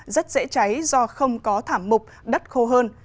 rất dễ cháy do không có thảm mục đất khô hơn